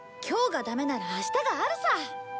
今日がダメなら明日があるさ！